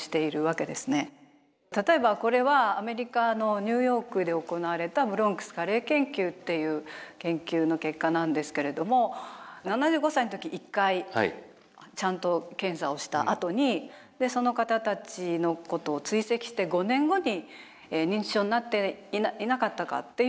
例えばこれはアメリカのニューヨークで行われた「ブロンクス加齢研究」っていう研究の結果なんですけれども７５歳の時１回ちゃんと検査をしたあとにその方たちのことを追跡して５年後に認知症になっていなかったかっていうのを調べたんですね。